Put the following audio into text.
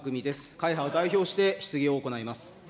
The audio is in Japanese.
会派を代表して質疑を行います。